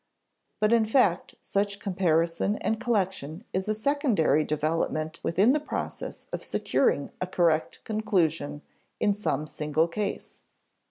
But in fact such comparison and collection is a secondary development within the process of securing a correct conclusion in some single case.